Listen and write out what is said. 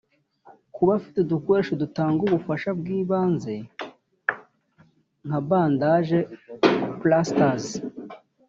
kuba ufite udukoresho dutanga ubufasha bw’ ibanze nka bandage; plasters